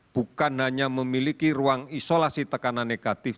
bukan hanya memiliki ruang isolasi tekanan negatif